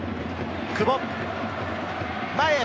久保、前へ。